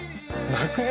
泣くね